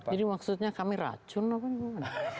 jadi maksudnya kami racun apa gimana